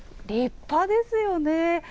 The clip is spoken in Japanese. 立派ですよね。